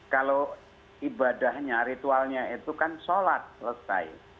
kalau ibadahnya ritualnya itu kan sholat selesai